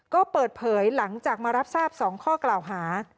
ก็เปิดเผยหลังจากมารับทราบ๒ข้อกล่าวหา